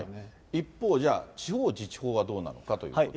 一方、じゃあ、地方自治法はどうなのかということで。